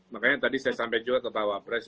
makanya tadi saya sampai juga ke bawa press